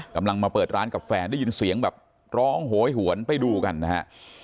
กำลังมาเปิดร้านกับแฟนได้ยินเสียงแบบร้องโหยหวนไปดูกันนะฮะ